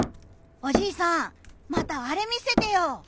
おじいさんまたあれ見せてよ！